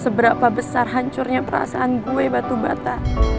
seberapa besar hancurnya perasaan gue batu bata